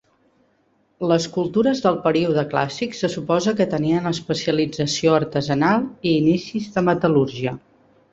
Les cultures del Període clàssic se suposa que tenien especialització artesanal i inicis de metal·lúrgia.